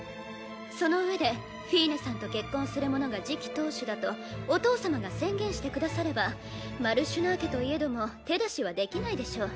そのうえでフィーネさんと結婚する者が次期当主だとお父様が宣言してくださればマルシュナー家といえども手出しはできないでしょう。